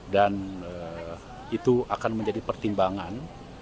dan itu akan menjadi pertimbangan